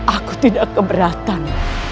aku tidak keberatan